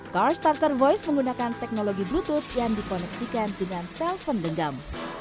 car starter voice menggunakan teknologi bluetooth yang dikoneksikan dengan telpon genggam